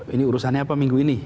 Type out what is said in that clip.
ini urusannya apa minggu ini